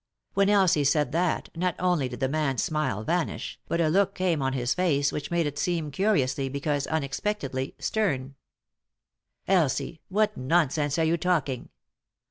When Elsie said that, not only did the man's smile vanish, but a look came on his face which made it seem curiously, because unexpectedly, stem. " Elsie I What nonsense are you talking